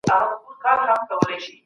خپلو دندو ته پوره پام وکړئ.